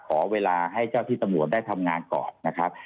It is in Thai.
ขอเวลาให้เจ้าที่ตำรวจได้ทำงานก่อนนะครับ